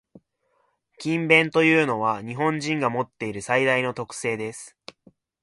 「勤勉」というのは、日本人が持っている最大の特性です。